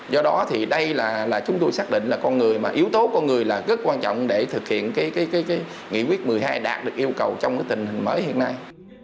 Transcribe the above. do đó thì đây là chúng tôi xác định là con người mà yếu tố con người là rất quan trọng để thực hiện nghị quyết một mươi hai đạt được yêu cầu trong tình hình mới hiện nay